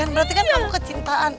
berarti kan kamu kecintaan